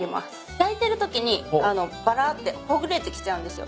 焼いてるときにばらってほぐれてきちゃうんですよ。